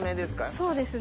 そうですね。